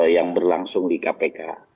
yang berlangsung di kpk